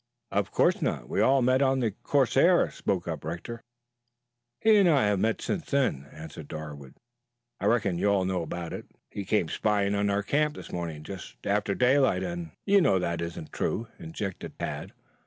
"Of course not. We all met on the 'Corsair,'" spoke up Rector. "He and I have met since then," answered Darwood. "I reckon you know all about it. He came spying on our camp this morning just after daylight, and " "You know that isn't true," interjected Tad.